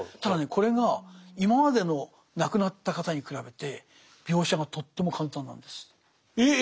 これが今までの亡くなった方に比べて描写がとっても簡単なんです。え？え？